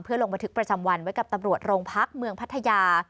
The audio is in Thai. ลงบันทึกประจำวันไว้กับตำรวจโรงพักเมืองพัทยา